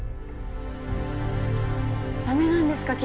駄目なんですか？